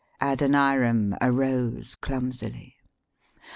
Adoniram arose clumsily.